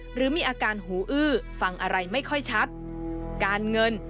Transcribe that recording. หรือมีอาการหูอื้อฟังอะไรไม่ค่อยชัดการเงิน